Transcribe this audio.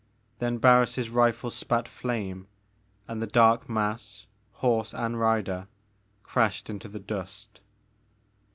Then Barris* rifle spat flame and the dark mass, horse and rider, crashed into the dust.